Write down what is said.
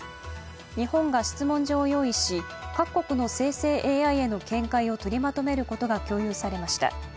日本が質問状を用意し各国の生成ＡＩへの見解を取りまとめることが共有されました。